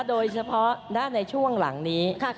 โดยเฉพาะด้านในช่วงหลังนี้